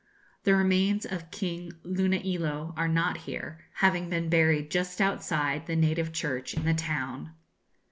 The remains of King Luna'ilo are not here, having been buried just outside the native church in the town.